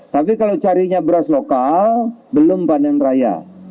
tapi kalau carinya beras lokal belum panen raya